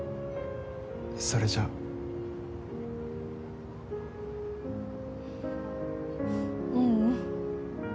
それじゃあううん